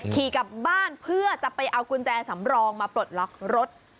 ขี่กลับบ้านเพื่อจะไปเอากุญแจสำรองมาปลดล็อกรถ